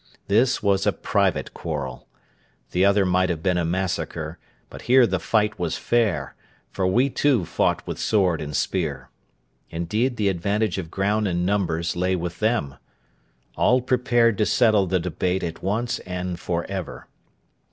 This was a private quarrel. The other might have been a massacre; but here the fight was fair, for we too fought with sword and spear. Indeed the advantage of ground and numbers lay with them. All prepared to settle the debate at once and for ever.